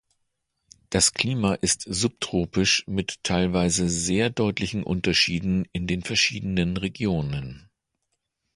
Das Klima ist subtropisch mit teilweise sehr deutlichen Unterschieden in den verschiedenen Regionen.